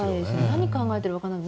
何考えているか分からない。